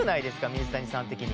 水谷さん的に。